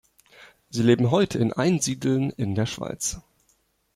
Sie leben heute in Einsiedeln in der Schweiz.